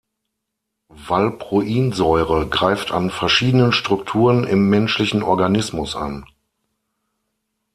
Valproinsäure greift an verschiedenen Strukturen im menschlichen Organismus an.